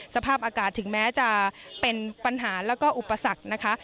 สภาพอากาศถึงแม้จะเป็นปัญหาแล้วก็อุปสรรคนะคะ